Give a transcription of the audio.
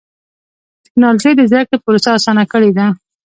ټکنالوجي د زدهکړې پروسه اسانه کړې ده.